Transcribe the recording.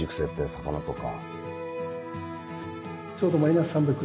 魚とか。